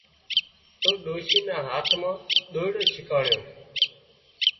تو ڏوشي نا هاٿ مان ۮوئيڙُ ڇڪاتو